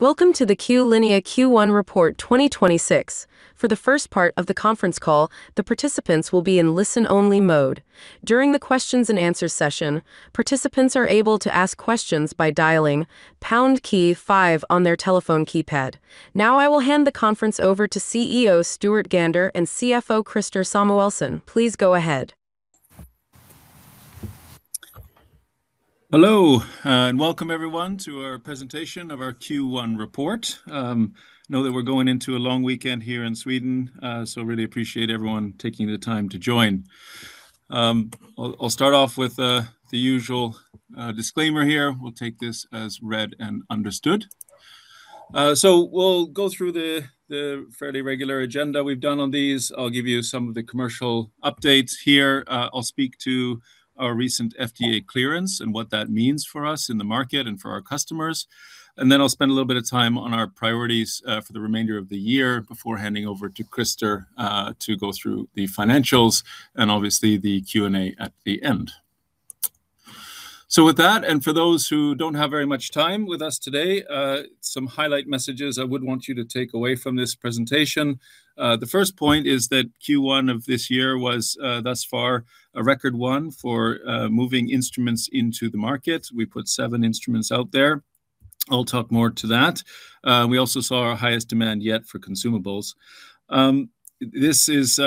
Welcome to the Q-linea Q1 report 2026. For the first part of the conference call, the participants will be in listen-only mode. During the questions-and-answers session, participants are able to ask questions by dialing pound key five on their telephone keypad. I will hand the conference over to CEO Stuart Gander and CFO Christer Samuelsson. Please go ahead. Hello, welcome everyone to our presentation of our Q1 report. Know that we're going into a long weekend here in Sweden, really appreciate everyone taking the time to join. I'll start off with the usual disclaimer here. We'll take this as read and understood. We'll go through the fairly regular agenda we've done on these. I'll give you some of the commercial updates here. I'll speak to our recent FDA clearance and what that means for us in the market and for our customers. Then I'll spend a little bit of time on our priorities for the remainder of the year before handing over to Christer to go through the financials and obviously the Q&A at the end. With that, and for those who don't have very much time with us today, some highlight messages I would want you to take away from this presentation. The first point is that Q1 of this year was thus far a record one for moving instruments into the market. We put seven instruments out there. I'll talk more to that. We also saw our highest demand yet for consumables. This is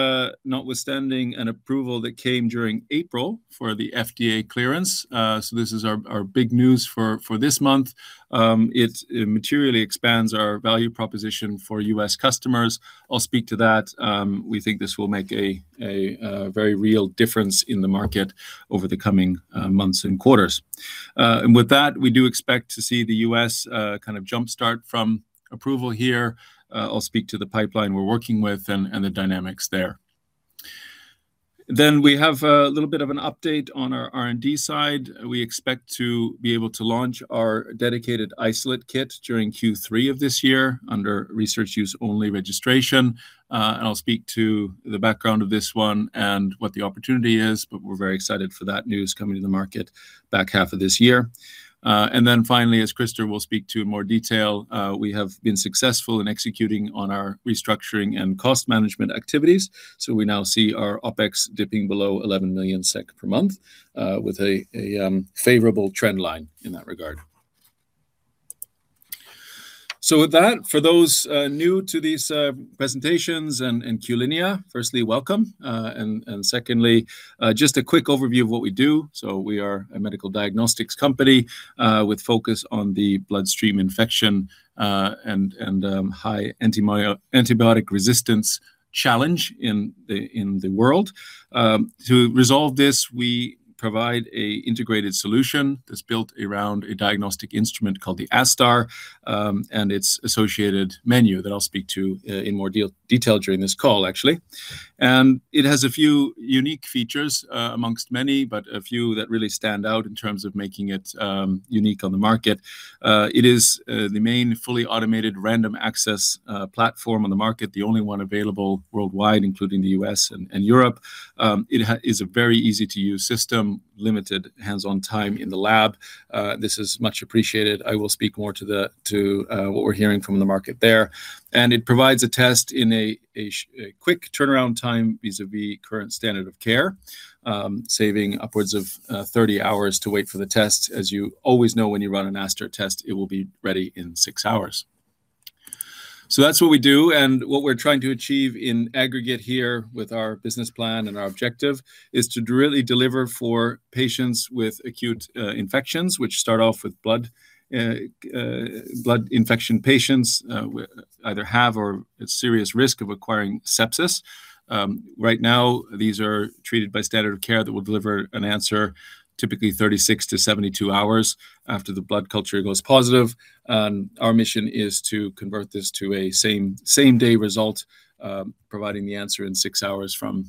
notwithstanding an approval that came during April for the FDA clearance. This is our big news for this month. It materially expands our value proposition for U.S. customers. I'll speak to that. We think this will make a very real difference in the market over the coming months and quarters. With that, we do expect to see the U.S. kind of jump-start from approval here. I'll speak to the pipeline we're working with and the dynamics there. We have a little bit of an update on our R&D side. We expect to be able to launch our dedicated isolate kit during Q3 of this year under research use only registration. I'll speak to the background of this one and what the opportunity is, but we're very excited for that news coming to the market back half of this year. Finally, as Christer will speak to in more detail, we have been successful in executing on our restructuring and cost management activities, so we now see our OpEx dipping below 11 million SEK per month with a favorable trend line in that regard. With that, for those new to these presentations and Q-linea, firstly, welcome. Secondly, just a quick overview of what we do. We are a medical diagnostics company with focus on the bloodstream infection and high antibiotic resistance challenge in the world. To resolve this, we provide a integrated solution that's built around a diagnostic instrument called the ASTar and its associated menu that I'll speak to in more detailed during this call actually. It has a few unique features amongst many, but a few that really stand out in terms of making it unique on the market. It is the main fully automated random access platform on the market, the only one available worldwide, including the U.S. and Europe. It is a very easy-to-use system, limited hands-on time in the lab. This is much appreciated. I will speak more to the what we're hearing from the market there. It provides a test in a quick turnaround time vis-à-vis current standard of care, saving upwards of 30 hours to wait for the test. As you always know, when you run an ASTar test, it will be ready in six hours. That's what we do, and what we're trying to achieve in aggregate here with our business plan and our objective is to really deliver for patients with acute infections, which start off with blood. Blood infection patients either have or at serious risk of acquiring sepsis. Right now, these are treated by standard of care that will deliver an answer typically 36-72 hours after the blood culture goes positive. Our mission is to convert this to a same-day result, providing the answer in six hours from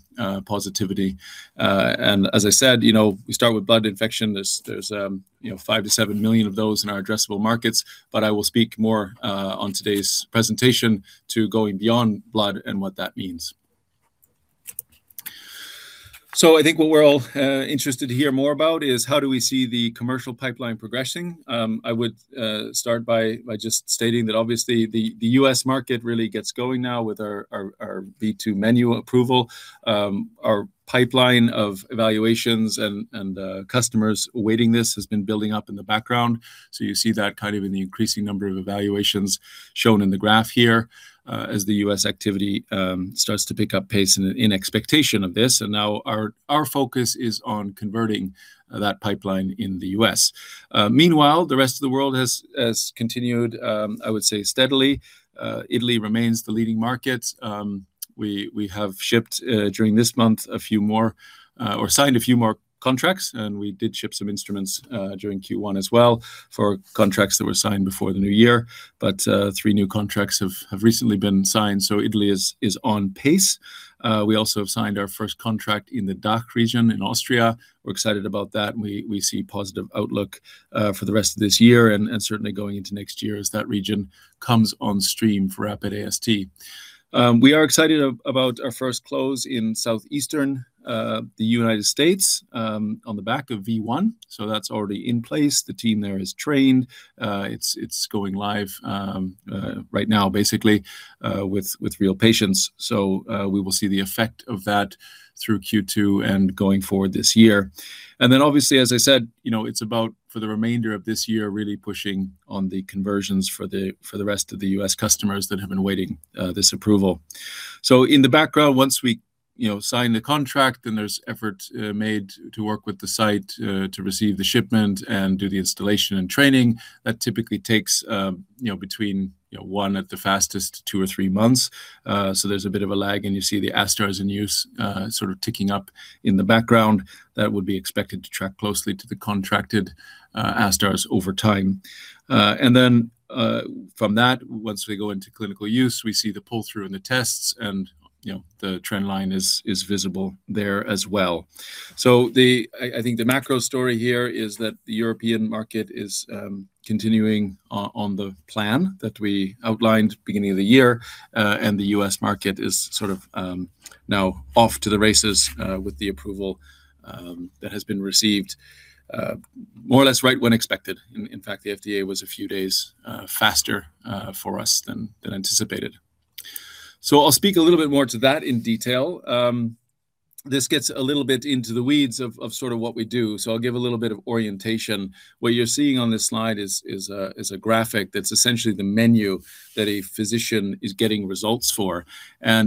positivity. As I said, you know, we start with blood infection. There's, you know, 5 million-7 million of those in our addressable markets, but I will speak more on today's presentation to going beyond blood and what that means. I think what we're all interested to hear more about is how do we see the commercial pipeline progressing. I would start by just stating that obviously the U.S. market really gets going now with our V2 menu approval. Our pipeline of evaluations and customers awaiting this has been building up in the background. You see that kind of in the increasing number of evaluations shown in the graph here, as the U.S. activity starts to pick up pace in expectation of this. Now our focus is on converting that pipeline in the U.S. Meanwhile, the rest of the world has continued, I would say steadily. Italy remains the leading market. We have shipped during this month a few more or signed a few more contracts, and we did ship some instruments during Q1 as well for contracts that were signed before the new year. Three new contracts have recently been signed, Italy is on pace. We also have signed our first contract in the DACH region in Austria. We're excited about that, and we see positive outlook for the rest of this year and certainly going into next year as that region comes on stream for RapidAST. We are excited about our first close in southeastern, the United States, on the back of V1, so that's already in place. The team there is trained. It's going live right now basically, with real patients. We will see the effect of that through Q2 and going forward this year. Obviously, as I said, you know, it's about for the remainder of this year really pushing on the conversions for the rest of the U.S. customers that have been waiting this approval. In the background, once we, you know, sign the contract, and there's effort made to work with the site to receive the shipment and do the installation and training. That typically takes, you know, between, you know, one at the fastest, two or three months. There's a bit of a lag, and you see the ASTars in use, sort of ticking up in the background. That would be expected to track closely to the contracted ASTars over time. Then, from that, once we go into clinical use, we see the pull-through in the tests and, you know, the trend line is visible there as well. I think the macro story here is that the European market is continuing on the plan that we outlined beginning of the year, and the U.S. market is sort of now off to the races with the approval that has been received more or less right when expected. In fact, the FDA was a few days faster for us than anticipated. I'll speak a little bit more to that in detail. This gets a little bit into the weeds of sort of what we do, I'll give a little bit of orientation. What you're seeing on this slide is a graphic that's essentially the menu that a physician is getting results for.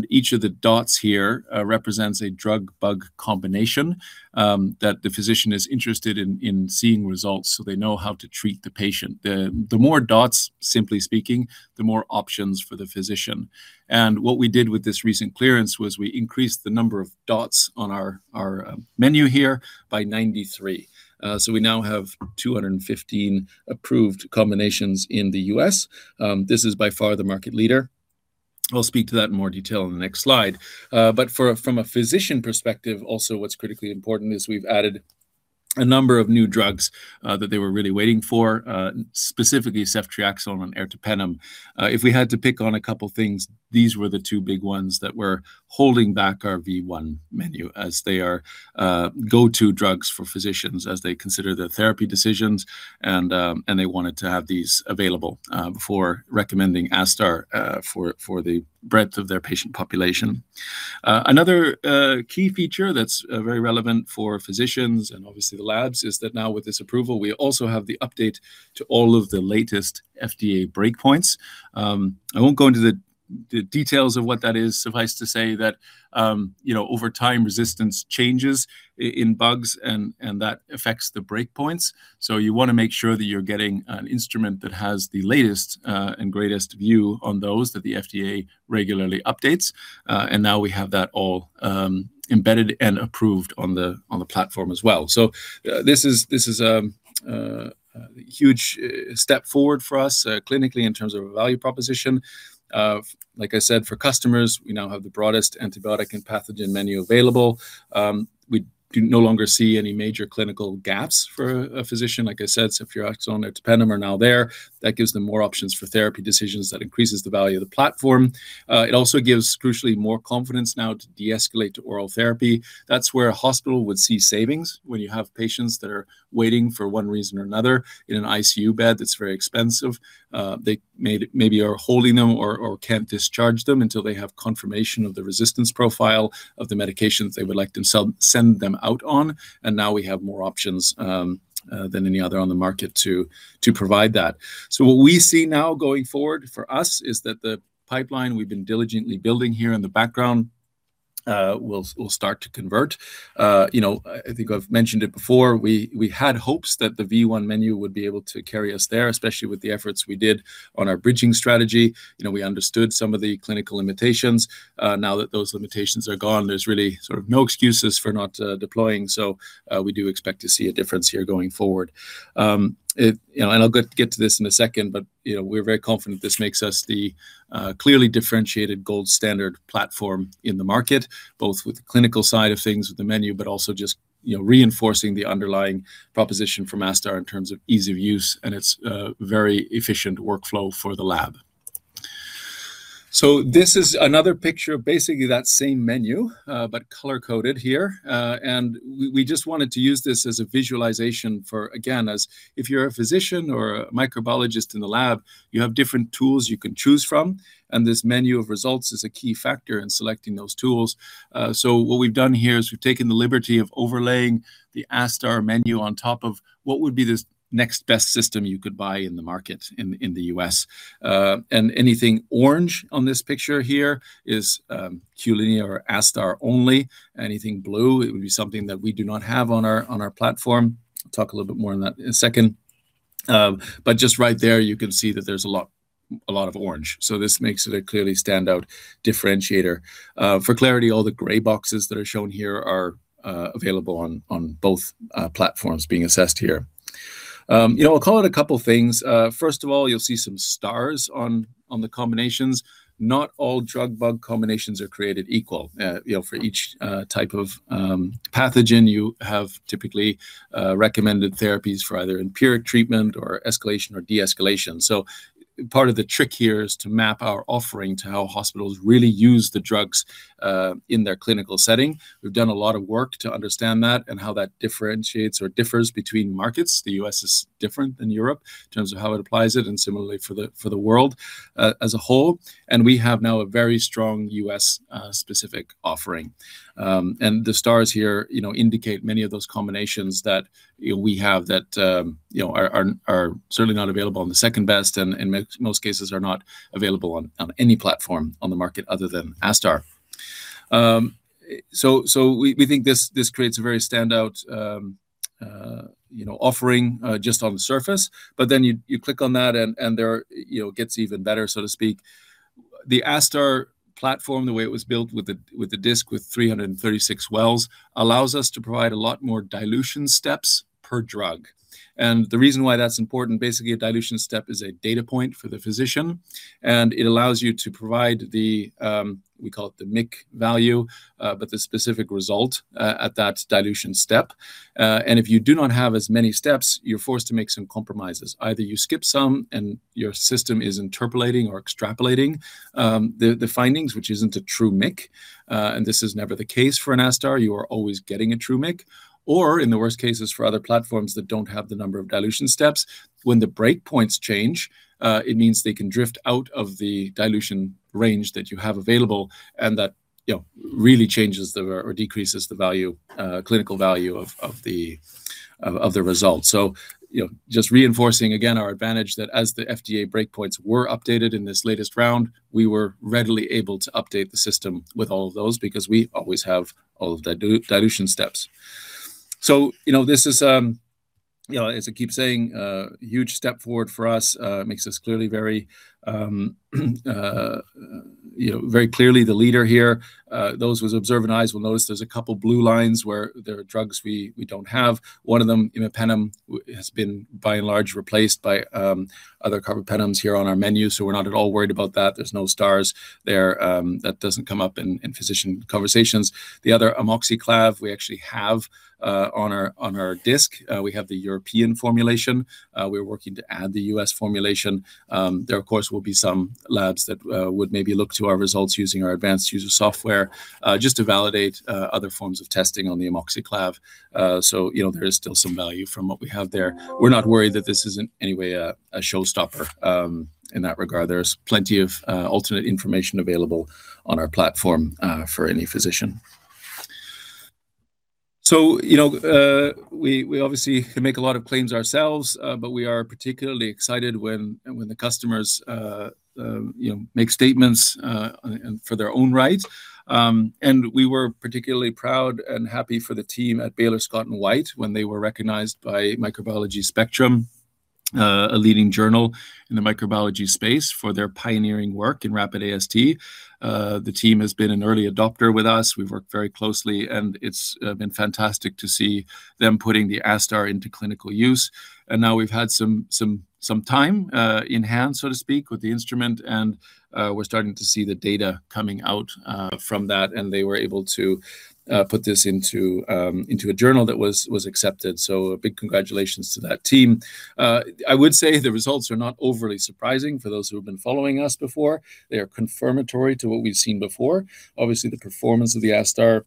Each of the dots here represents a drug-bug combination that the physician is interested in seeing results so they know how to treat the patient. The more dots, simply speaking, the more options for the physician. What we did with this recent clearance was we increased the number of dots on our menu here by 93. We now have 215 approved combinations in the U.S. This is by far the market leader. I'll speak to that in more detail in the next slide. From a physician perspective, also what's critically important is we've added a number of new drugs that they were really waiting for, specifically ceftriaxone and ertapenem. If we had to pick on a couple things, these were the two big ones that were holding back our V1 menu, as they are go-to drugs for physicians as they consider their therapy decisions, and they wanted to have these available before recommending ASTar for the breadth of their patient population. Another key feature that's very relevant for physicians and obviously the labs is that now with this approval, we also have the update to all of the latest FDA breakpoints. I won't go into the details of what that is. Suffice to say that, you know, over time, resistance changes in bugs, and that affects the breakpoints. You wanna make sure that you're getting an instrument that has the latest and greatest view on those that the FDA regularly updates. Now we have that all embedded and approved on the platform as well. This is a huge step forward for us clinically in terms of a value proposition. Like I said, for customers, we now have the broadest antibiotic and pathogen menu available. We no longer see any major clinical gaps for a physician. Like I said, ceftriaxone, ertapenem are now there. That gives them more options for therapy decisions. That increases the value of the platform. It also gives crucially more confidence now to deescalate to oral therapy. That's where a hospital would see savings when you have patients that are waiting for one reason or another in an ICU bed that's very expensive. They are holding them or can't discharge them until they have confirmation of the resistance profile of the medications they would like to send them out on. Now we have more options than any other on the market to provide that. What we see now going forward for us is that the pipeline we've been diligently building here in the background will start to convert. You know, I think I've mentioned it before, we had hopes that the Version 1 menu would be able to carry us there, especially with the efforts we did on our bridging strategy. You know, we understood some of the clinical limitations. Now that those limitations are gone, there's really sort of no excuses for not deploying. We do expect to see a difference here going forward. I'll get to this in a second, you know, we're very confident this makes us the clearly differentiated gold standard platform in the market, both with the clinical side of things with the menu, but also just, you know, reinforcing the underlying proposition for ASTar in terms of ease of use and its very efficient workflow for the lab. This is another picture of basically that same menu, but color-coded here. We just wanted to use this as a visualization for, again, as if you're a physician or a microbiologist in the lab, you have different tools you can choose from, and this menu of results is a key factor in selecting those tools. What we've done here is we've taken the liberty of overlaying the ASTar menu on top of what would be the next best system you could buy in the market in the U.S. Anything orange on this picture here is Q-linea or ASTar only. Anything blue, it would be something that we do not have on our, on our platform. I'll talk a little bit more on that in a second. Just right there, you can see that there's a lot of orange, this makes it a clearly standout differentiator. For clarity, all the gray boxes that are shown here are available on both platforms being assessed here. You know, I'll call out a couple things. First of all, you'll see some stars on the combinations. Not all drug-bug combinations are created equal. You know, for each type of pathogen, you have typically recommended therapies for either empiric treatment or escalation or de-escalation. Part of the trick here is to map our offering to how hospitals really use the drugs in their clinical setting. We've done a lot of work to understand that and how that differentiates or differs between markets. The U.S. is different than Europe in terms of how it applies it and similarly for the, for the world, as a whole. And we have now a very strong U.S. specific offering. The stars here, you know, indicate many of those combinations that, you know, we have that, you know, are certainly not available on the second best and in most cases are not available on any platform on the market other than ASTar. So we think this creates a very standout, you know, offering just on the surface. You click on that and it, you know, gets even better, so to speak. The ASTar platform, the way it was built with the disc with 336 wells allows us to provide a lot more dilution steps per drug. The reason why that's important, basically a dilution step is a data point for the physician, and it allows you to provide the, we call it the MIC value, but the specific result, at that dilution step. If you do not have as many steps, you're forced to make some compromises. Either you skip some and your system is interpolating or extrapolating the findings which isn't a true MIC, and this is never the case for an ASTar. You are always getting a true MIC. In the worst cases for other platforms that don't have the number of dilution steps, when the break points change, it means they can drift out of the dilution range that you have available and that, you know, really changes or decreases the value, clinical value of the results. You know, just reinforcing again our advantage that as the FDA break points were updated in this latest round, we were readily able to update the system with all of those because we always have all of the dilution steps. You know, this is, you know, as I keep saying, a huge step forward for us. It makes us clearly very, you know, very clearly the leader here. Those with observant eyes will notice there's a couple blue lines where there are drugs we don't have. One of them, imipenem, has been by and large replaced by other carbapenems here on our menu. We're not at all worried about that. There's no stars there. That doesn't come up in physician conversations. The other amoxiclav we actually have on our disc. We have the European formulation. We're working to add the U.S. formulation. There of course will be some labs that would maybe look to our results using our advanced user software just to validate other forms of testing on the amoxiclav. You know, there is still some value from what we have there. We're not worried that this is in any way a showstopper in that regard. There's plenty of alternate information available on our platform for any physician. You know, we obviously can make a lot of claims ourselves, but we are particularly excited when the customers, you know, make statements and for their own right. We were particularly proud and happy for the team at Baylor Scott & White when they were recognized by Microbiology Spectrum, a leading journal in the microbiology space for their pioneering work in RapidAST. The team has been an early adopter with us. We've worked very closely, and it's been fantastic to see them putting the ASTar into clinical use. Now we've had some time in hand, so to speak, with the instrument and we're starting to see the data coming out from that, and they were able to put this into a journal that was accepted. A big congratulations to that team. I would say the results are not overly surprising for those who have been following us before. They are confirmatory to what we've seen before. Obviously, the performance of the ASTar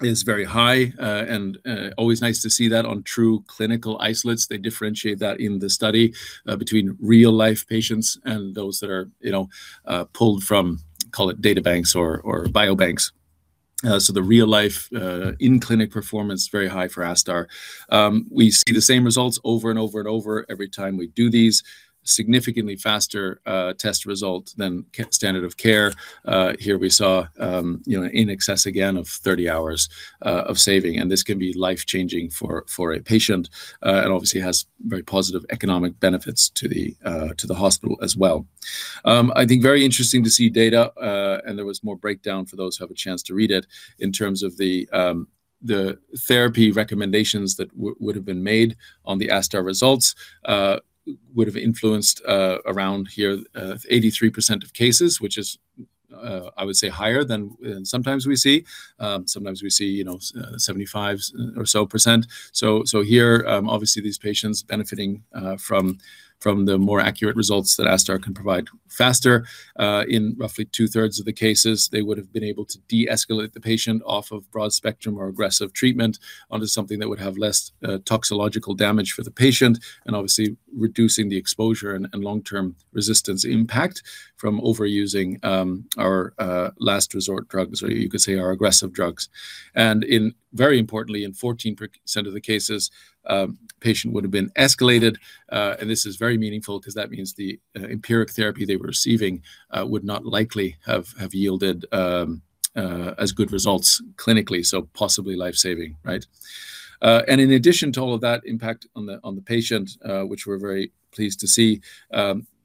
is very high, and always nice to see that on true clinical isolates. They differentiate that in the study between real life patients and those that are, you know, pulled from, call it data banks or bio banks. The real life, in-clinic performance, very high for ASTar. We see the same results over and over and over every time we do these. Significantly faster test result than standard of care. Here we saw, you know, in excess again of 30 hours of saving, and this can be life-changing for a patient. Obviously has very positive economic benefits to the hospital as well. I think very interesting to see data, and there was more breakdown for those who have a chance to read it in terms of the therapy recommendations that would have been made on the ASTar results, would have influenced around here 83% of cases which is I would say higher than sometimes we see. Sometimes we see, you know, 75% or so. Here, obviously these patients benefiting from the more accurate results that ASTar can provide faster. In roughly two-thirds of the cases they would have been able to deescalate the patient off of broad spectrum or aggressive treatment onto something that would have less toxological damage for the patient and obviously reducing the exposure and long-term resistance impact from overusing our last resort drugs or you could say our aggressive drugs. In very importantly in 14% of the cases, patient would have been escalated. This is very meaningful 'cause that means the empiric therapy they were receiving would not likely have yielded as good results clinically, so possibly life-saving, right? In addition to all of that impact on the, on the patient, which we're very pleased to see,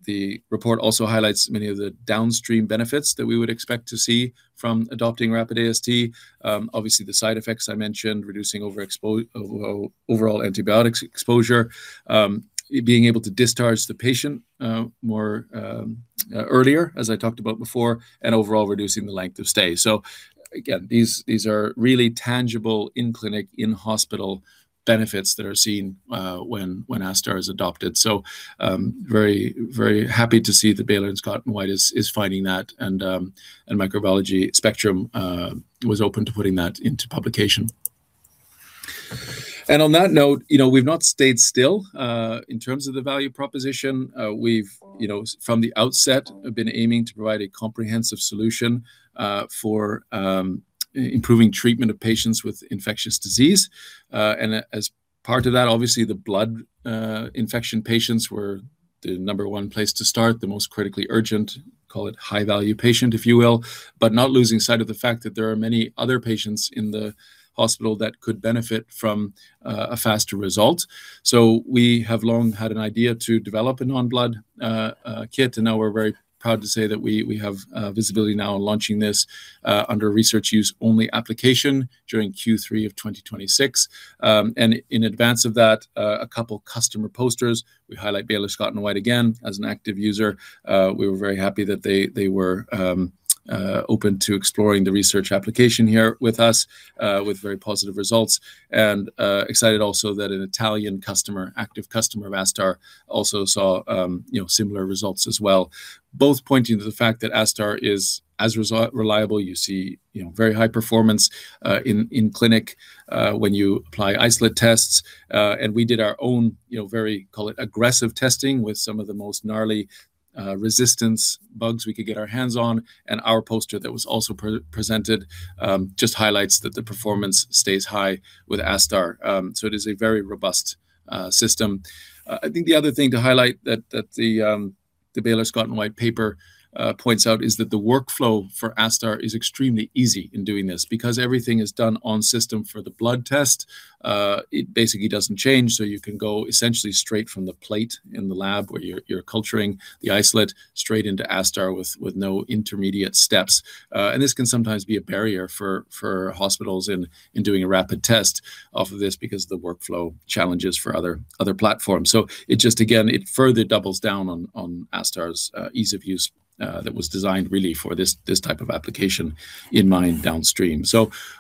the report also highlights many of the downstream benefits that we would expect to see from adopting RapidAST. Obviously the side effects I mentioned reducing overall antibiotics exposure, being able to discharge the patient more earlier, as I talked about before, and overall reducing the length of stay. Again, these are really tangible in-clinic, in-hospital benefits that are seen when ASTar is adopted. Very happy to see that Baylor Scott & White is finding that and Microbiology Spectrum was open to putting that into publication. On that note, you know, we've not stayed still in terms of the value proposition. We've, you know, from the outset have been aiming to provide a comprehensive solution for improving treatment of patients with infectious disease. As part of that, obviously, the blood infection patients were the number one place to start, the most critically urgent, call it high-value patient, if you will, but not losing sight of the fact that there are many other patients in the hospital that could benefit from a faster result. We have long had an idea to develop a non-blood kit, and now we're very proud to say that we have visibility now on launching this under research use only application during Q3 of 2026. In advance of that, a couple customer posters. We highlight Baylor Scott & White again as an active user. We were very happy that they were open to exploring the research application here with us, with very positive results, and excited also that an Italian customer, active customer of ASTar also saw, you know, similar results as well, both pointing to the fact that ASTar is as reliable. You see, you know, very high performance in clinic when you apply isolate tests. We did our own, you know, very, call it, aggressive testing with some of the most gnarly resistance bugs we could get our hands on, and our poster that was also presented just highlights that the performance stays high with ASTar. It is a very robust system. I think the other thing to highlight that the Baylor Scott & White paper points out is that the workflow for ASTar is extremely easy in doing this. Because everything is done on system for the blood test, it basically doesn't change, so you can go essentially straight from the plate in the lab where you're culturing the isolate straight into ASTar with no intermediate steps. And this can sometimes be a barrier for hospitals in doing a rapid test off of this because the workflow challenges for other platforms. It just, again, it further doubles down on ASTar's ease of use that was designed really for this type of application in mind downstream.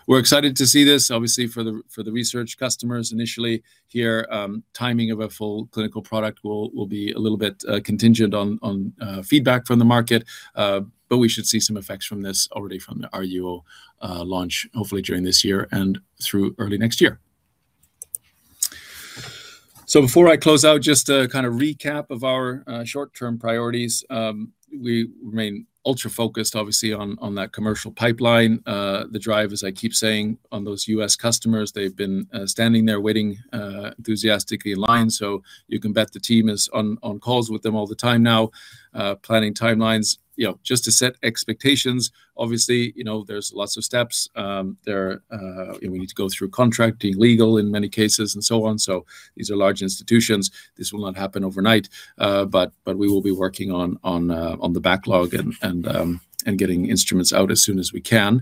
We're excited to see this obviously for the research customers initially here. Timing of a full clinical product will be a little bit contingent on feedback from the market, but we should see some effects from this already from the RUO launch hopefully during this year and through early next year. Before I close out, just a kind of recap of our short-term priorities. We remain ultra focused obviously on that commercial pipeline. The drive, as I keep saying, on those U.S. customers, they've been standing there waiting enthusiastically in line, you can bet the team is on calls with them all the time now, planning timelines. You know, just to set expectations, obviously, you know, there's lots of steps. There are, you know, we need to go through contracting, legal in many cases, and so on. These are large institutions. This will not happen overnight, but we will be working on the backlog and getting instruments out as soon as we can.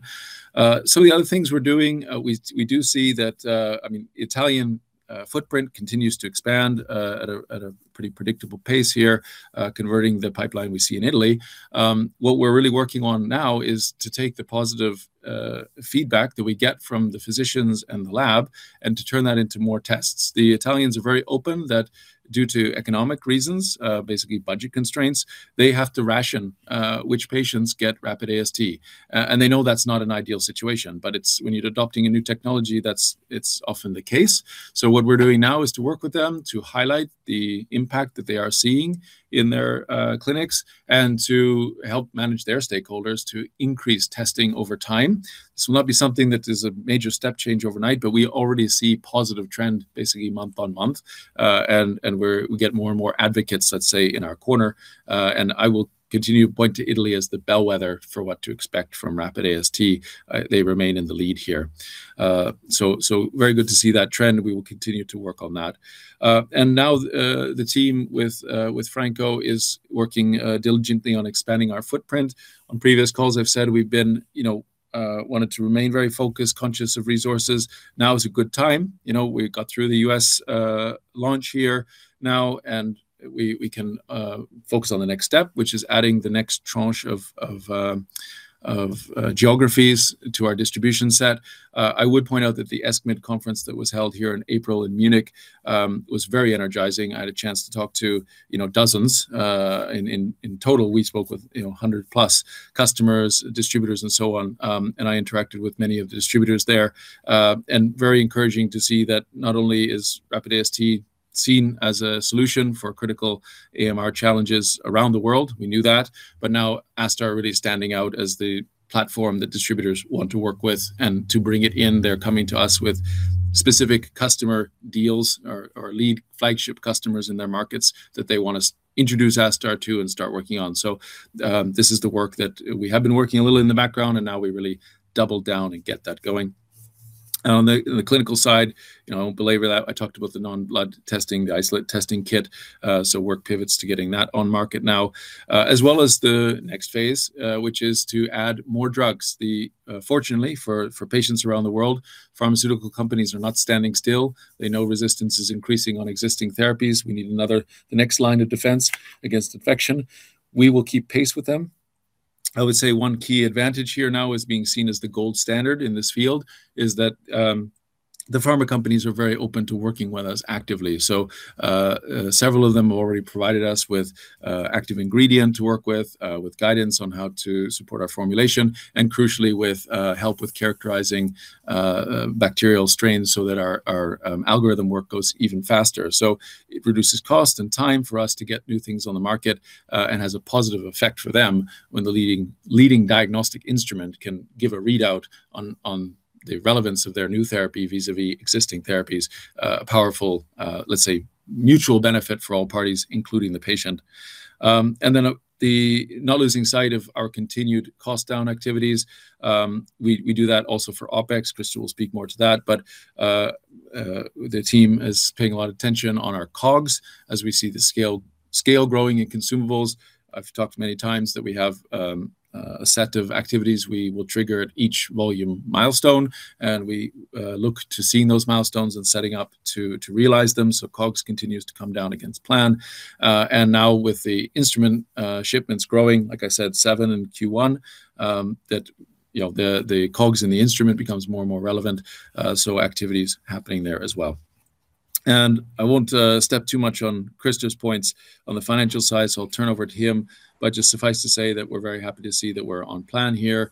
Some of the other things we're doing, we do see that, I mean, Italian footprint continues to expand at a pretty predictable pace here, converting the pipeline we see in Italy. What we're really working on now is to take the positive feedback that we get from the physicians and the lab and to turn that into more tests. The Italians are very open that due to economic reasons, basically budget constraints, they have to ration which patients get RapidAST. And they know that's not an ideal situation, but it's when you're adopting a new technology, it's often the case. What we're doing now is to work with them to highlight the impact that they are seeing in their clinics and to help manage their stakeholders to increase testing over time. This will not be something that is a major step change overnight, but we already see positive trend basically month-on-month. We get more and more advocates, let's say, in our corner. I will continue to point to Italy as the bellwether for what to expect from RapidAST. They remain in the lead here. Very good to see that trend. We will continue to work on that. Now, the team with Franco is working diligently on expanding our footprint. On previous calls, I've said we've been, you know, wanted to remain very focused, conscious of resources. Now is a good time. You know, we got through the U.S. launch here now, we can focus on the next step, which is adding the next tranche of geographies to our distribution set. I would point out that the ESCMID conference that was held here in April in Munich was very energizing. I had a chance to talk to, you know, dozens, in total, we spoke with, you know, 100+ customers, distributors, and so on. I interacted with many of the distributors there. Very encouraging to see that not only is RapidAST seen as a solution for critical AMR challenges around the world, we knew that, now ASTar really standing out as the platform that distributors want to work with and to bring it in. They're coming to us with specific customer deals or lead flagship customers in their markets that they want us introduce ASTar to and start working on. This is the work that we have been working a little in the background, and now we really double down and get that going. On the clinical side, you know, belabor that, I talked about the non-blood testing, the isolate testing kit, work pivots to getting that on market now. As well as the next phase, which is to add more drugs. The fortunately for patients around the world, pharmaceutical companies are not standing still. They know resistance is increasing on existing therapies. We need the next line of defense against infection. We will keep pace with them. I would say one key advantage here now is being seen as the gold standard in this field is that the pharma companies are very open to working with us actively. Several of them have already provided us with active ingredient to work with guidance on how to support our formulation and crucially with help with characterizing bacterial strains so that our algorithm work goes even faster. It reduces cost and time for us to get new things on the market and has a positive effect for them when the leading diagnostic instrument can give a readout on the relevance of their new therapy vis-a-vis existing therapies. A powerful, let's say mutual benefit for all parties, including the patient. The not losing sight of our continued cost-down activities, we do that also for OpEx. Christer will speak more to that. The team is paying a lot of attention on our COGS as we see the scale growing in consumables. I've talked many times that we have a set of activities we will trigger at each volume milestone, we look to seeing those milestones and setting up to realize them so COGS continues to come down against plan. Now with the instrument shipments growing, like I said, seven in Q1, that, you know, the COGS in the instrument becomes more and more relevant, so activities happening there as well. I won't step too much on Christer's points on the financial side, I'll turn over to him. Just suffice to say that we're very happy to see that we're on plan here,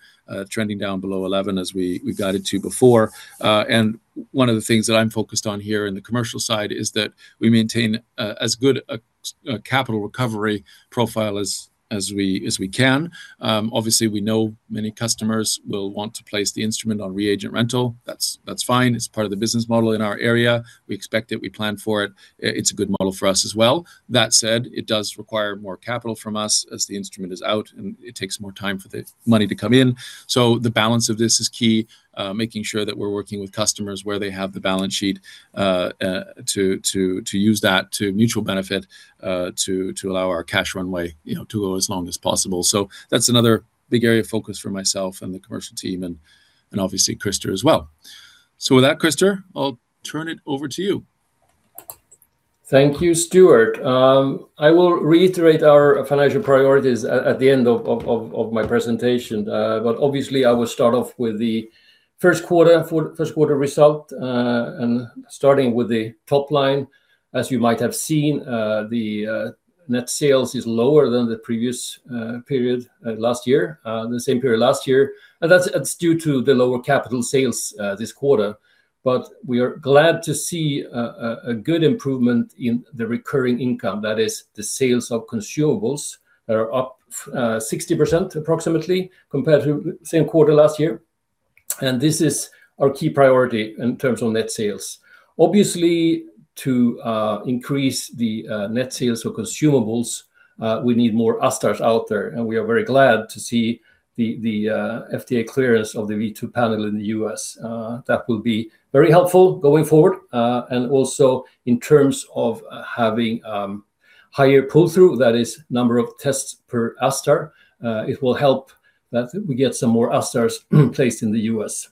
trending down below 11 as we guided to before. One of the things that I'm focused on here in the commercial side is that we maintain a, as good a capital recovery profile as we, as we can. Obviously, we know many customers will want to place the instrument on reagent rental. That's fine. It's part of the business model in our area. We expect it. We plan for it. It's a good model for us as well. That said, it does require more capital from us as the instrument is out, and it takes more time for the money to come in. The balance of this is key, making sure that we're working with customers where they have the balance sheet to use that to mutual benefit, to allow our cash runway, you know, to go as long as possible. That's another big area of focus for myself and the commercial team and, obviously Christer as well. With that, Christer, I'll turn it over to you. Thank you, Stuart. I will reiterate our financial priorities at the end of my presentation. Obviously, I will start off with the first quarter result, starting with the top line. As you might have seen, the net sales is lower than the previous period last year, the same period last year. That's due to the lower capital sales this quarter. We are glad to see a good improvement in the recurring income, that is the sales of consumables are up 60% approximately compared to same quarter last year. This is our key priority in terms of net sales. Obviously, to increase the net sales for consumables, we need more ASTars out there, and we are very glad to see the FDA clearance of the V2 panel in the U.S. That will be very helpful going forward, and also in terms of having higher pull-through, that is number of tests per ASTar. It will help that we get some more ASTars placed in the U.S.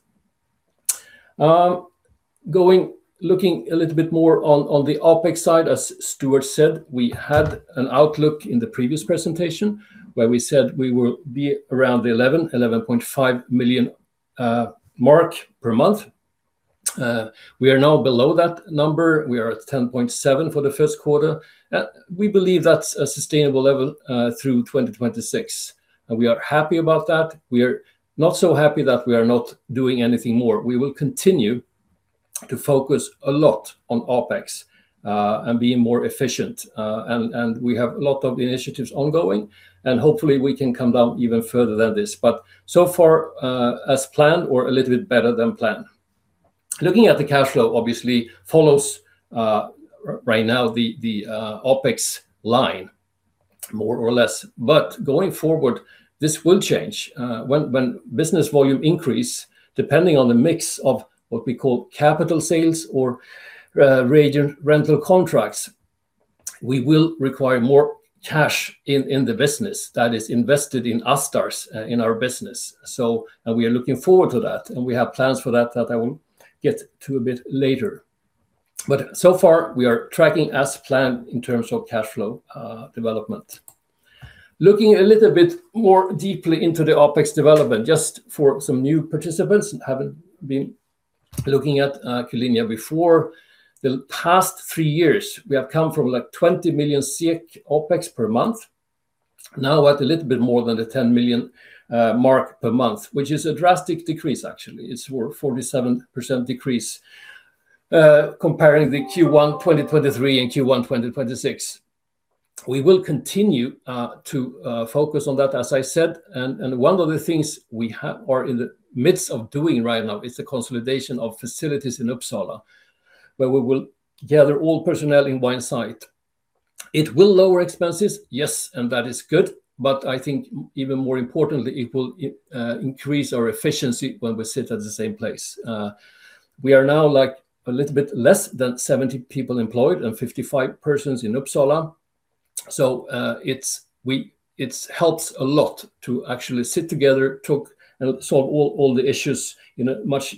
Going, looking a little bit more on the OpEx side, as Stuart said, we had an outlook in the previous presentation where we said we will be around the 11 million-11.5 million mark per month. We are now below that number. We are at 10.7 million for the first quarter. We believe that's a sustainable level through 2026, and we are happy about that. We are not so happy that we are not doing anything more. We will continue to focus a lot on OpEx and being more efficient, and we have a lot of initiatives ongoing, and hopefully, we can come down even further than this. So far, as planned or a little bit better than planned. Looking at the cash flow obviously follows right now the OpEx line more or less. Going forward, this will change. When business volume increase, depending on the mix of what we call capital sales or reagent rental contracts, we will require more cash in the business that is invested in ASTars in our business. We are looking forward to that, and we have plans for that I will get to a bit later. So far, we are tracking as planned in terms of cash flow development. Looking a little bit more deeply into the OpEx development, just for some new participants who haven't been looking at Q-linea before, the past three years, we have come from like 20 million OpEx per month, now at a little bit more than the 10 million mark per month, which is a drastic decrease actually. It's 47% decrease comparing the Q1 2023 and Q1 2026. We will continue to focus on that, as I said, and one of the things we are in the midst of doing right now is the consolidation of facilities in Uppsala, where we will gather all personnel in one site. It will lower expenses, yes. That is good. I think even more importantly, it will increase our efficiency when we sit at the same place. We are now like a little bit less than 70 people employed and 55 persons in Uppsala. It's helped a lot to actually sit together, talk, and solve all the issues in a much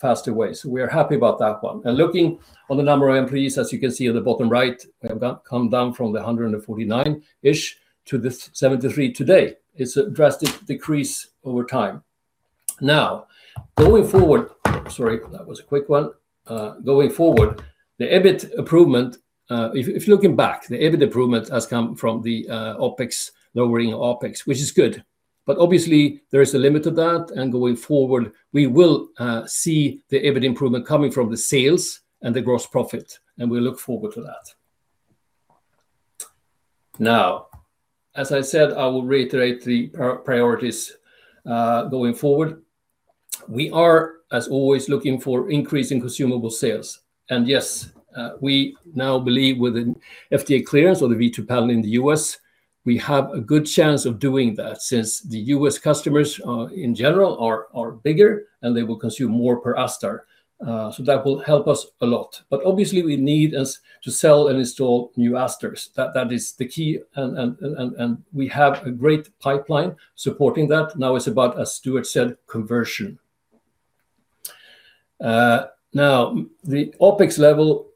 faster way. We are happy about that one. Looking on the number of employees, as you can see on the bottom right, we have got come down from the 149-ish to the 73 today. It's a drastic decrease over time. Going forward. Sorry, that was a quick one. Going forward, the EBIT improvement, if looking back, the EBIT improvement has come from the OpEx, lowering OpEx, which is good. Obviously, there is a limit to that, and going forward, we will see the EBIT improvement coming from the sales and the gross profit, and we look forward to that. As I said, I will reiterate the priorities going forward. We are, as always, looking for increase in consumable sales. Yes, we now believe with an FDA clearance or the V2 panel in the U.S. we have a good chance of doing that since the U.S. customers in general are bigger and they will consume more per ASTar. That will help us a lot. Obviously we need is to sell and install new ASTars. That is the key and we have a great pipeline supporting that. It's about, as Stuart said, conversion. Now, the OpEx level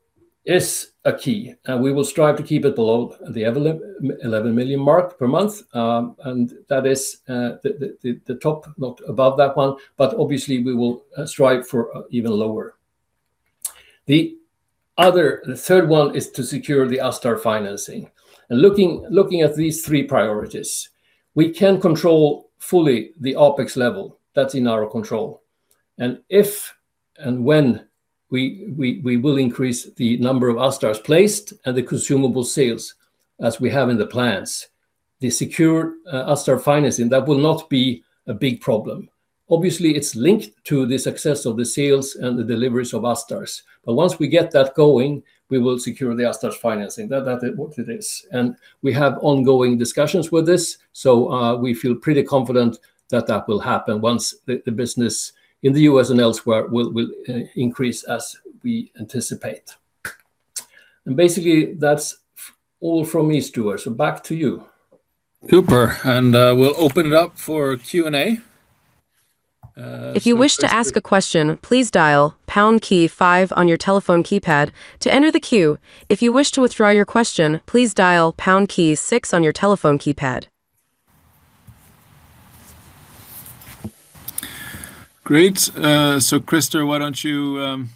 is a key, we will strive to keep it below the 11 million mark per month. That is the top, not above that one, but obviously we will strive for even lower. The other, the third one is to secure the ASTar financing. Looking at these three priorities, we can control fully the OpEx level. That's in our control. If and when we will increase the number of ASTars placed and the consumable sales as we have in the plans, the secured ASTar financing, that will not be a big problem. Obviously it's linked to the success of the sales and the deliveries of ASTars. Once we get that going, we will secure the ASTar financing. What it is. We have ongoing discussions with this, so, we feel pretty confident that that will happen once the business in the U.S. and elsewhere will increase as we anticipate. Basically that's all from me, Stuart, so back to you. Super. We'll open it up for Q&A. If you wish to ask a question, please dial pound key five on your telephone keypad to enter the queue. If you wish to withdraw your question, please dial pound key six on your telephone keypad. Great. Christer, why don't you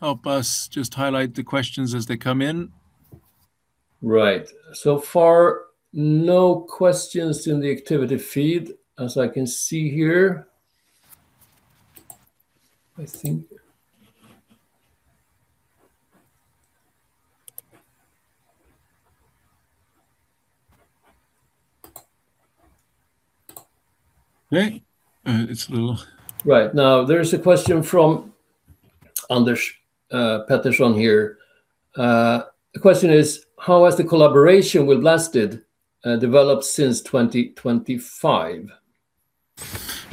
help us just highlight the questions as they come in? Right. So far, no questions in the activity feed as I can see here. Right. Right. Now, there's a question from Anders Pettersson here. The question is, how has the collaboration with BlastID developed since 2025?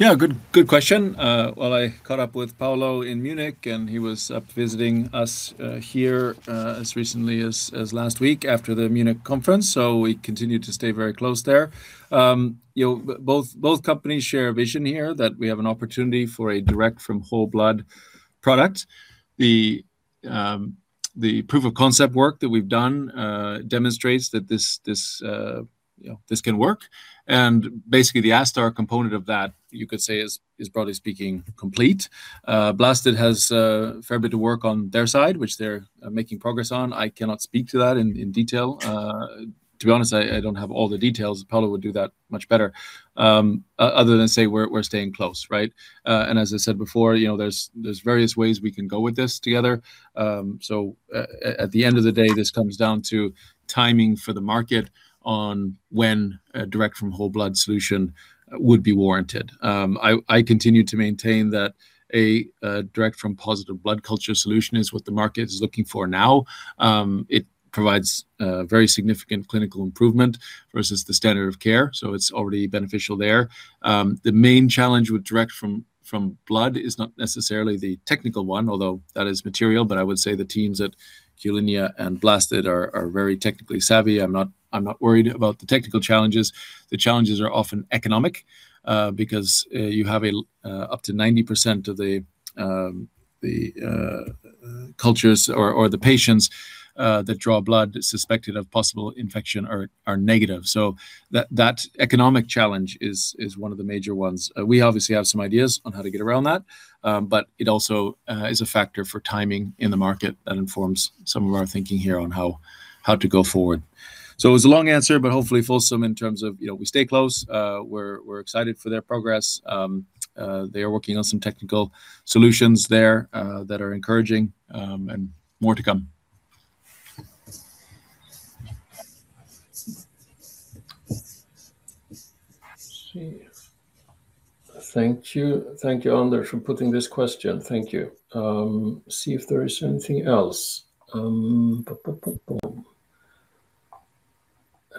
Yeah, good question. Well, I caught up with Paolo in Munich, and he was up visiting us here as recently as last week after the Munich conference. We continue to stay very close there. You know, both companies share a vision here that we have an opportunity for a direct from whole blood product. The proof of concept work that we've done demonstrates that this, you know, this can work. Basically the ASTar component of that, you could say is broadly speaking complete. BlastID has a fair bit of work on their side, which they're making progress on. I cannot speak to that in detail. To be honest, I don't have all the details. Paolo would do that much better. Other than say we're staying close, right? As I said before, you know, there's various ways we can go with this together. At the end of the day, this comes down to timing for the market on when a direct from whole blood solution would be warranted. I continue to maintain that a direct from positive blood culture solution is what the market is looking for now. It provides very significant clinical improvement versus the standard of care, so it's already beneficial there. The main challenge with direct from blood is not necessarily the technical one, although that is material, but I would say the teams at Q-linea and BlastID are very technically savvy. I'm not worried about the technical challenges. The challenges are often economic, because you have up to 90% of the cultures or the patients that draw blood suspected of possible infection are negative. That economic challenge is one of the major ones. We obviously have some ideas on how to get around that. But it also is a factor for timing in the market that informs some of our thinking here on how to go forward. It was a long answer, but hopefully fulsome in terms of, you know, we stay close. We're excited for their progress. They are working on some technical solutions there that are encouraging, and more to come. Let's see. Thank you. Thank you, Anders, for putting this question. Thank you. See if there is anything else. A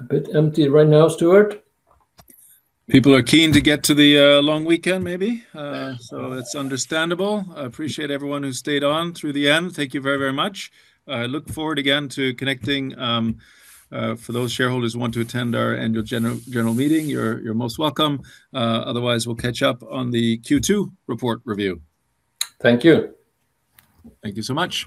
bit empty right now, Stuart. People are keen to get to the long weekend maybe. Yeah It's understandable. I appreciate everyone who stayed on through the end. Thank you very, very much. I look forward again to connecting for those shareholders who want to attend our Annual General Meeting, you're most welcome. Otherwise, we'll catch up on the Q2 report review. Thank you. Thank you so much.